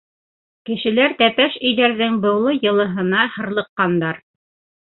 Кешеләр тәпәш өйҙәрҙең быулы йылыһына һырлыҡҡандар.